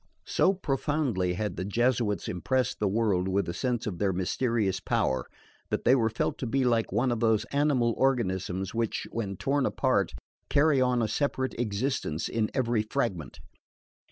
So profoundly had the Jesuits impressed the world with the sense of their mysterious power that they were felt to be like one of those animal organisms which, when torn apart, carry on a separate existence in every fragment.